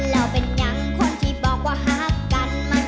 แล้วเป็นยังคนที่บอกว่าฮักกันมา